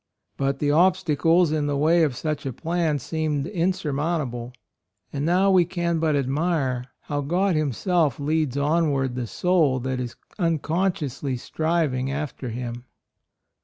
But the obstacles in the way of such a plan seemed insurmountable. And now we can but admire how God Him self leads onward the soul that is unconsciously striving after Him.